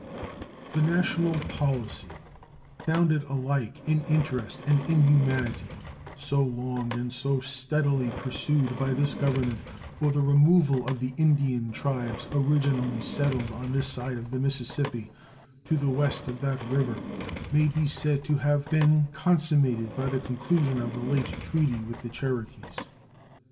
The national policy, founded alike in interest and in humanity, so long and so steadily pursued by this Government for the removal of the Indian tribes originally settled on this side of the Mississippi to the W of that river, may be said to have been consummated by the conclusion of the late treaty with the Cherokees.